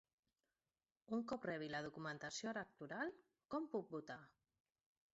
Un cop rebi la documentació electoral, com puc votar?